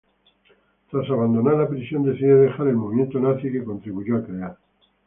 Tras abandonar la prisión, decide dejar el movimiento nazi que contribuyó a crear.